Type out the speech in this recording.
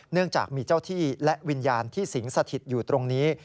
เนื่องจากมีเจ้าที่และวิญญาณที่สิงสถิตอยู่ตรงนี้